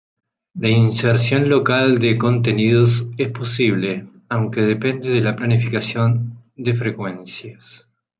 La inserción local de contenidos es posible, aunque depende de la planificación de frecuencias.